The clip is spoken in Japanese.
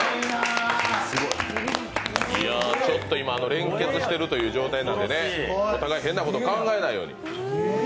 ちょっと連結しているという状態なんでお互い変なこと考えないように。